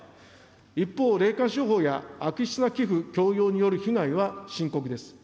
一方、霊感商法や悪質な寄付強要による被害は深刻です。